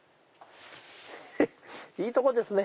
いいとこですね！